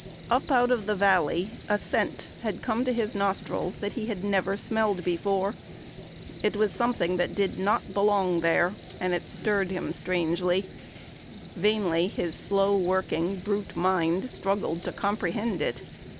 Up out of the valley a scent had come to his nostrils that he had never smelled before. It was something that did not belong there, and it stirred him strangely. Vainly his slow working brute mind struggled to comprehend it.